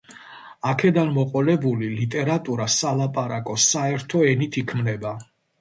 აქედან მოყოლებული ლიტერატურა სალაპარაკო, საერო ენით იქმნება.